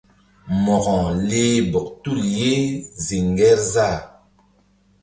Mo̧ko leh bɔk tul ye ziŋ Ŋgerzah.